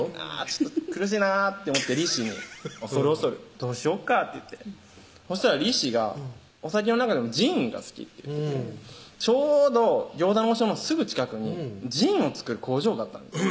ちょっと苦しいなって思ってリーシーに恐る恐る「どうしよっか？」って言ってそしたらリーシーが「お酒の中でもジンが好き」って言っててちょうど餃子の王将のすぐ近くにジンを作る工場があったんです